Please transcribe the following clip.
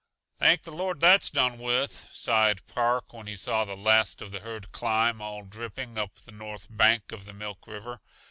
"Thank the Lord that's done with," sighed Park when he saw the last of the herd climb, all dripping, up the north bank of the Milk River.